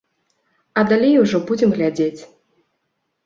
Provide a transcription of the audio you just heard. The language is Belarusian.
А далей ужо будзем глядзець.